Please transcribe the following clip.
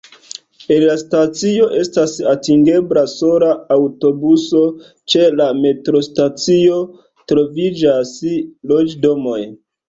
El la stacio estas atingebla sola aŭtobuso, ĉe la metrostacio troviĝas loĝdomoj.